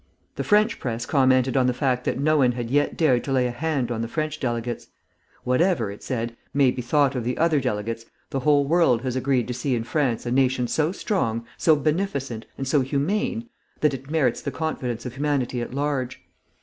The French press commented on the fact that no one had yet dared to lay a hand on the French delegates. "Whatever," it said, "may be thought of the other delegates, the whole world has agreed to see in France a nation so strong, so beneficent, and so humane, that it merits the confidence of humanity at large.